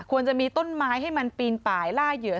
จะมีต้นไม้ให้มันปีนป่ายล่าเหยื่อ